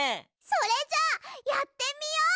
それじゃあやってみよう。